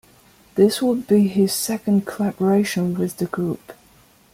This would be his second collaboration with the group.